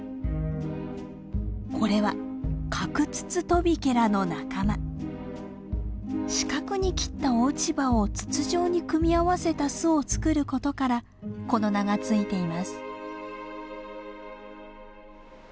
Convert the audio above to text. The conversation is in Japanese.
これは四角に切った落ち葉を筒状に組み合わせた巣を作ることからこの名が付いています。